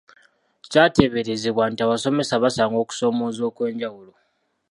Kyateeberezebwa nti abasomesa basanga okusoomooza okw’enjawulo.